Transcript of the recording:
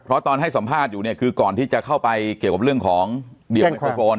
เพราะตอนให้สัมภาษณ์อยู่เนี่ยคือก่อนที่จะเข้าไปเกี่ยวกับเรื่องของเดี่ยวไมโครโฟน